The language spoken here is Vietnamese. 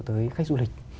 tới khách du lịch